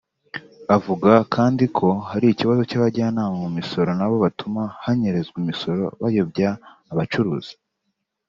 Avuga kandi ko hari ikibazo cy’abajyanama mu misoro nabo batuma hanyerezwa imisoro bayobya abacuruzi